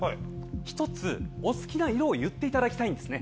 一つお好きな色を言っていただきたいんですね。